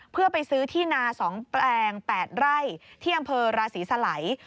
เพื่อไปซื้อที่นา๒แปลง๘ไร่ที่อำเภอราศีสลัย